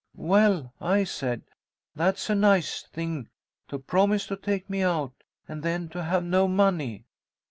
'Well,' I said, 'that's a nice thing, to promise to take me out, and then to have no money.'